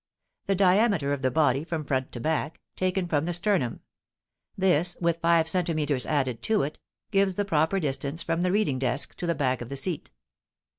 The diameter of the body from front to back, taken from the sternum; this, with five centimeters added to it, gives the proper distance from the reading desk to the back of the seat.